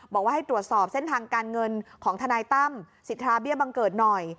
บอกว่าให้ตรวจสอบเส้นทางการเงินของทนายตั้มสิทธาเบี้ยบังเกิดหน่อย